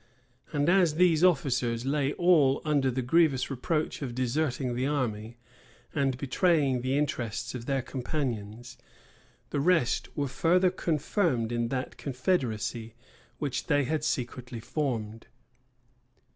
And, as these officers lay all under the grievous reproach of deserting the army, and betraying the interests of their companions, the rest were further confirmed in that confederacy which they had secretly formed.